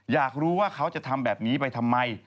อยากรู้ว่าเขาจะทำแบบนี้ไปทำไม